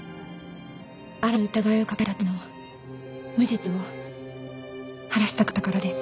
あらぬ疑いをかけられた父の無実を晴らしたかったからです。